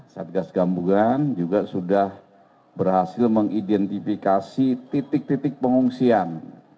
satgas gabungan juga sudah berhasil mengidentifikasi titik titik pengungsian